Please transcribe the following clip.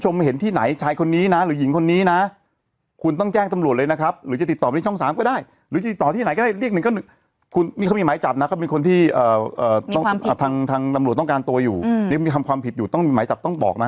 มีคำความผิดอยู่ต้องมีหมายจับต้องบอกนะ